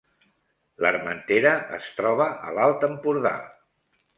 L’Armentera es troba a l’Alt Empordà